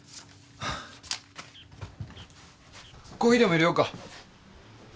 コーヒーでも入れようか？